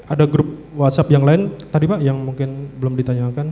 ada grup whatsapp yang lain tadi pak yang mungkin belum ditanyakan